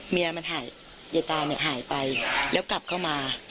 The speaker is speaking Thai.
เมียมันหายหายไปแล้วกลับเข้ามา